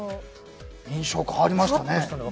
印象変わりましたね。